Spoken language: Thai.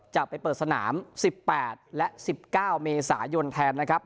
จะไปเปิดสนาม๑๘และ๑๙เมษายนแทนนะครับ